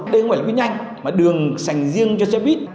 đây không phải là vít nhanh mà đường dành riêng cho xe buýt